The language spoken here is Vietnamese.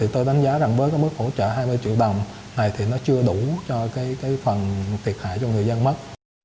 tôi đánh giá rằng với cái mức hỗ trợ hai mươi triệu đồng này thì nó chưa đủ cho phần thiệt hại cho người dân mất